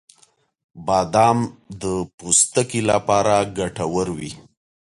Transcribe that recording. • بادام د پوستکي لپاره ګټور وي.